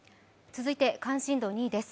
続いて関心度２位です。